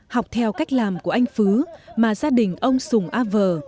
học theo cách làm của anh phú mà gia đình ông sùng a vờ